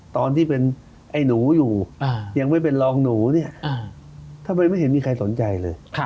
ตอนที่เป็นไอ้หนูอยู่ยังไม่เป็นรองหนูเนี่ยทำไมไม่เห็นมีใครสนใจเลย